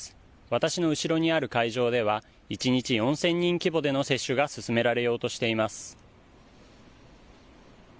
私の後ろにある会場では、１日４０００人規模での接種が進められようとしています。